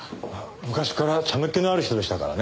昔から茶目っ気のある人でしたからね。